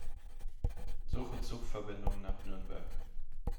Suche Zugverbindungen nach Nürnberg.